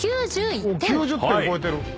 ９０点超えてる！